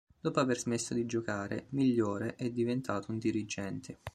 Dopo aver smesso di giocare, Migliore è diventato un dirigente.